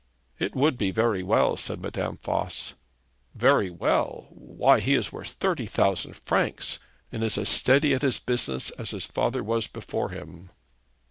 'It would be very well,' said Madame Voss. 'Very well! Why, he is worth thirty thousand francs, and is as steady at his business as his father was before him.'